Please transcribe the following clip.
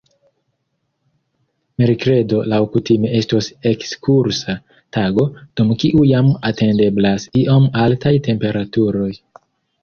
Merkredo laŭkutime estos ekskursa tago, dum kiu jam atendeblas iom altaj temperaturoj.